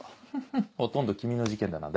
フフっほとんど君の事件だな。